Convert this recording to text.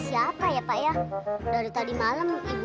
tidak akan tinggal dalam kuaku